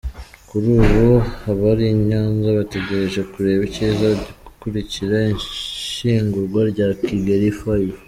Kuri ubu abari I Nyanza bategereje kureba ikiza gukurikira ishyingurwa rya Kigeli v.